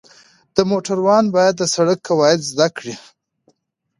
د موټروان باید د سړک قواعد زده کړي.